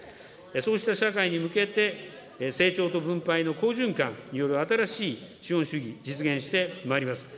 そうした社会に向けて、成長と分配の好循環による新しい資本主義、実現してまいります。